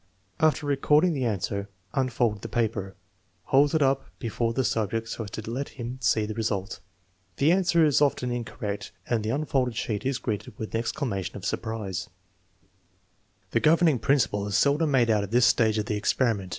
After recording the answer, unfold the paper, hold it up before the subject so as to let him see the result. The answer is often incorrect and the unfolded skeet is greeted with an exclamation of TEST NO. XIV, 2 311 surprise. The governing principle is seldom made out at this stage of the experiment.